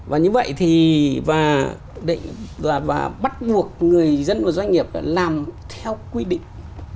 và như vậy thì và bắt buộc người dân và doanh nghiệp làm theo quy định